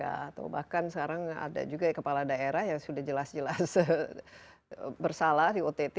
atau bahkan sekarang ada juga kepala daerah yang sudah jelas jelas bersalah di ott